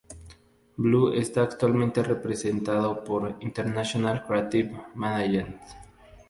Blue está actualmente representado por International Creative Management